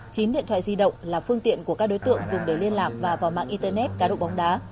chín điện thoại di động là phương tiện của các đối tượng dùng để liên lạc và vào mạng internet cá độ bóng đá